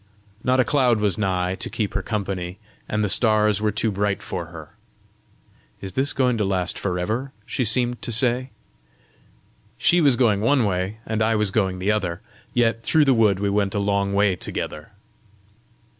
Not a cloud was nigh to keep her company, and the stars were too bright for her. "Is this going to last for ever?" she seemed to say. She was going one way and I was going the other, yet through the wood we went a long way together.